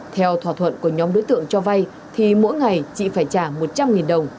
theo thỏa thuận của nhóm đối tượng cho vay thì mỗi ngày chị phải trả một trăm linh đồng